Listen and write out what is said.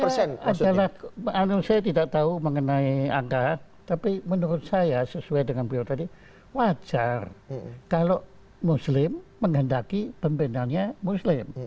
saya adalah saya tidak tahu mengenai angka tapi menurut saya sesuai dengan beliau tadi wajar kalau muslim menghendaki pembinaannya muslim